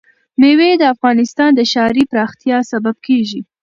مېوې د افغانستان د ښاري پراختیا سبب کېږي.